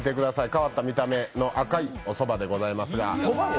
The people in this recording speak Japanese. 変わった見た目の赤いおそばでございます。